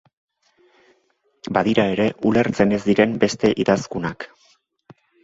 Badira ere ulertzen ez diren beste idazkunak.